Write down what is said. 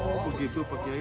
oh begitu pak kiai